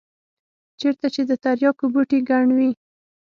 چېرته چې د ترياکو بوټي گڼ وي.